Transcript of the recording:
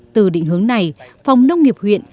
từ định hướng này phòng nông nghiệp huyện